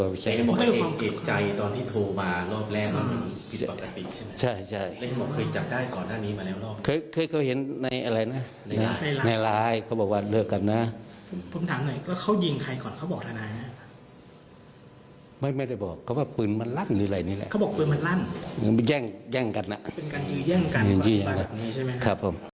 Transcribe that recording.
พ่อเกลี้ยกล่อมให้ลูกมอบตัวครับเพราะว่าเดี๋ยวจะขอยืมประกันตัวตามสิทธิ์